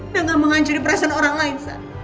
dan gak menghancurin perasaan orang lain sa